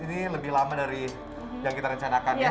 ini lebih lama dari yang kita rencanakan ya